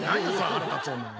腹立つお前。